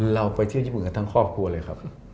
เราไปเที่ยวญี่ปุ่นกันทั้งครอบครัวเลยครับ